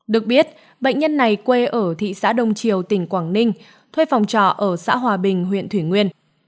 được biết bệnh nhân này quê ở thị xã đông triều tỉnh quảng ninh thuê phòng trọ ở xã hòa bình huyện thủy nguyên